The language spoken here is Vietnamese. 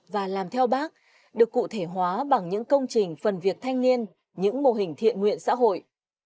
và làm theo bác được cụ thể hóa bằng những công trình phần việc thanh niên những mô hình thiện nguyện xã hội